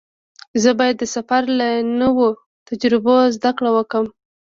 زه باید د سفر له نویو تجربو زده کړه وکړم.